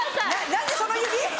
何でその指？